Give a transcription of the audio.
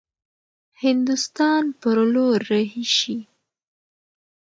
هندوستان پر لور رهي شي.